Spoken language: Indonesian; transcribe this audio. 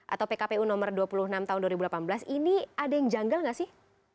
atau pkpu nomor dua puluh enam tahun dua ribu delapan belas ini ada yang janggal nggak sih